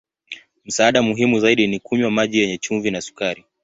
Msaada muhimu zaidi ni kunywa maji yenye chumvi na sukari.